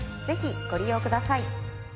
ぜひご利用ください。